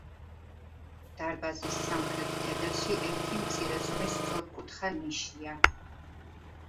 დარბაზის სამხრეთ კედელში ერთი მცირე ზომის სწორკუთხა ნიშია.